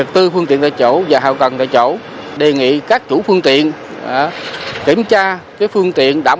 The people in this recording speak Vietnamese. tư phương tiện tại chỗ và hào cần tại chỗ đề nghị các chủ phương tiện kiểm tra phương tiện đảm